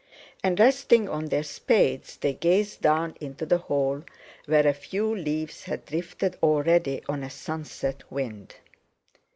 And, resting on their spades, they gazed down into the hole where a few leaves had drifted already on a sunset wind.